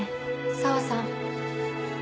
紗和さん。